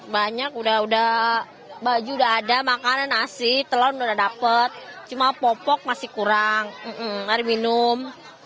banyak baju sudah ada makanan nasi telur sudah dapat cuma popok masih kurang hari minum